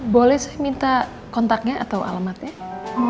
boleh sih minta kontaknya atau alamatnya